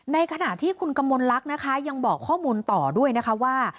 ในขณะที่คุณกมลลักษณ์นะคะยังบอกข้อมูลต่อด้วยนะคะว่า